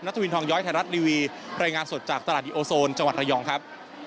ทวินทองย้อยไทยรัฐทีวีรายงานสดจากตลาดดีโอโซนจังหวัดระยองครับ